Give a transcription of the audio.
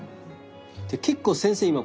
で結構先生